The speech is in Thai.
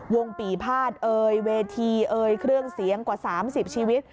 ปีภาษเอ่ยเวทีเอ่ยเครื่องเสียงกว่า๓๐ชีวิต